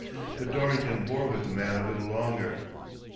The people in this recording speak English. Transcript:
But Dorrington bore with the man a little longer.